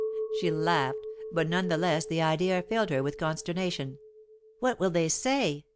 She laughed, but none the less the idea filled her with consternation. "What will they say!"